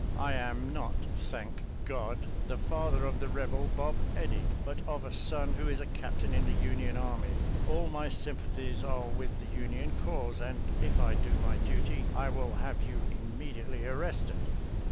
I am not, thank God, the father of the Eebel Bob Eddy, but of a son who is a captain in the Union Army. All my ' sympathies are with the Union cause, and if I do my duty I will have you immediately ar rested."